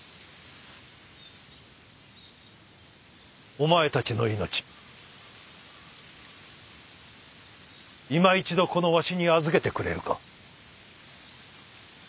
お前たちの命いま一度このわしに預けてくれるか？